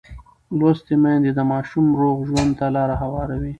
لوستې میندې د ماشوم روغ ژوند ته لار هواروي.